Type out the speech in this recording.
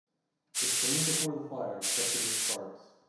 The screen before the fire kept in the sparks.